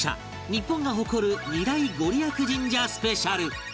日本が誇る２大ご利益神社スペシャル